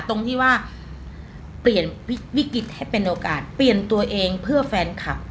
ตรงที่ว่าเปลี่ยนวิกฤตให้เป็นโอกาสเปลี่ยนตัวเองเพื่อแฟนคลับ